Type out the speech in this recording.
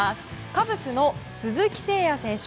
カブスの鈴木誠也選手